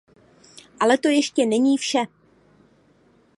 Ale to ještě není vše.